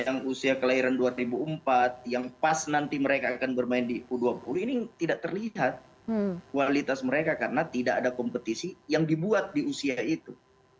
yang usia kelahiran dua ribu empat yang pas nanti mereka akan bermain di u dua puluh ini tidak terlihat kualitas mereka karena tidak ada kompetisi yang dibuat di usia itu